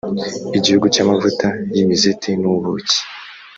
igihugu, cy’amavuta y’imizeti n’ubuki;